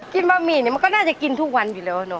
บะหมี่เนี่ยมันก็น่าจะกินทุกวันอยู่แล้วเนอ